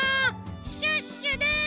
シュッシュです！